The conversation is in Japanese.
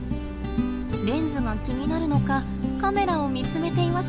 レンズが気になるのかカメラを見つめています。